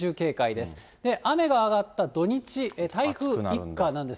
で、雨が上がった土日、台風一過なんです。